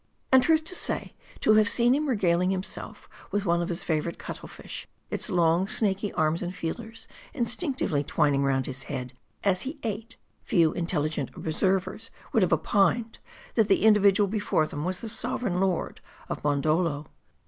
And truth to say, to have seen him regaling himself with one of his favorite cuttle fish, its long snaky arms and feelers instinctively twining round his head as he ate ; few intelligent observers would have opined that the individual before them was the sovereign lord of Mon doldo.